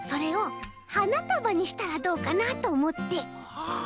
はあ